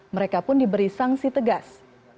mereka pun diberi sanksi tegas